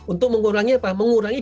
untuk mengurangi apa mengurangi